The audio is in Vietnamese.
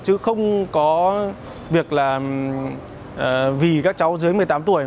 chứ không có việc là vì các cháu dưới một mươi tám tuổi